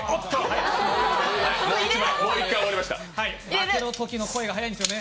負けのときの声が速いんですよね。